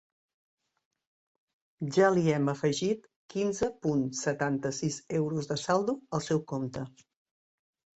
Ja li hem afegit quinze punt setanta-sis euros de saldo al seu compte.